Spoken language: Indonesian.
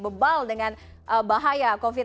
bebal dengan bahaya covid sembilan belas